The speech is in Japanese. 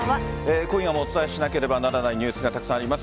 今夜もお伝えしなければならないニュースがたくさんあります。